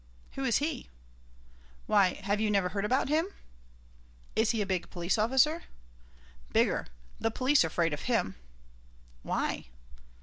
"Who is he?" "Why, have you never heard about him?' "Is he a big police officer?" "Bigger. The police are afraid of him." "Why?"